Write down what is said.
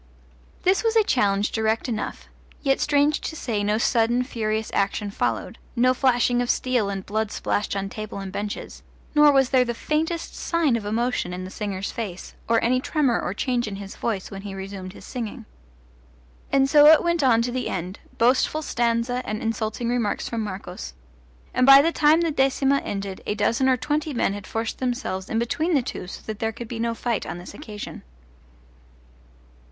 This was a challenge direct enough, yet strange to say no sudden furious action followed, no flashing of steel and blood splashed on table and benches; nor was there the faintest sign of emotion in the singer's face, or any tremor or change in his voice when he resumed his singing. And so it went on to the end boastful stanza and insulting remarks from Marcos; and by the time the decima ended a dozen or twenty men had forced themselves in between the two so that there could be no fight on this occasion.